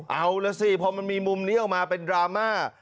เอาล่ะสิพอมันมีมุมนี้ออกมาเป็นดราม่า